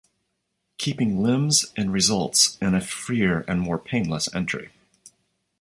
Keeping limbs in results in a freer and more painless entry.